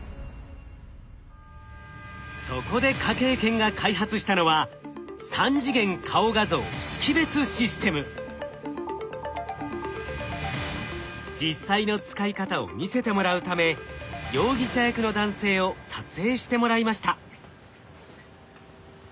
そこで科警研が開発したのは実際の使い方を見せてもらうため容疑者役の男性を撮影してもらいました。